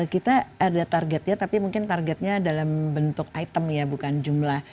kita ada targetnya tapi mungkin targetnya dalam bentuk item ya bukan jumlah